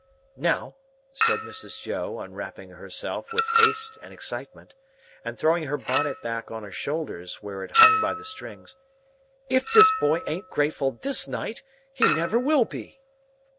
"Now," said Mrs. Joe, unwrapping herself with haste and excitement, and throwing her bonnet back on her shoulders where it hung by the strings, "if this boy ain't grateful this night, he never will be!"